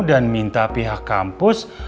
dan minta pihak kampus